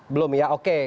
belum ya oke